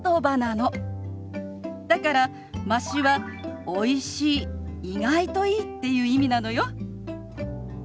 だから「まし」は「おいしい」「意外といい」っていう意味なのよ。